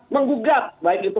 menggugat baik itu